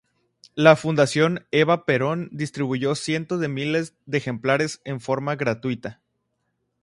La Fundación Eva Perón distribuyó cientos de miles de ejemplares en forma gratuita.